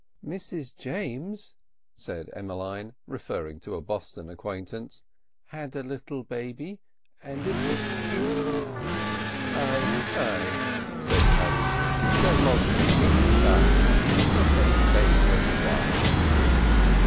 '" "Mrs James," said Emmeline, referring to a Boston acquaintance, "had a little baby, and it was pink." "Ay, ay," said Paddy; "they're mostly pink to start with, but they fade whin they're washed."